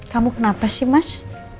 kamu kenapa sih mas